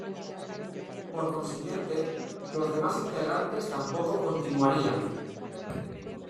Por consiguiente, los demás integrantes tampoco continuarían.